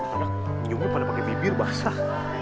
anak nyumnya pada pake bibir basah